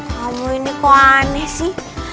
kamu ini kok aneh sih